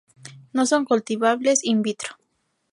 No son cultivables in vitro.